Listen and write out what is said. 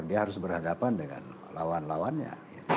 dia harus berhadapan dengan lawan lawannya